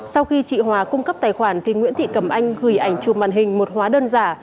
sau khi chị hòa cung cấp tài khoản thì nguyễn thị cẩm anh gửi ảnh chụp màn hình một hóa đơn giả